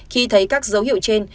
khi thấy các dấu hiệu trên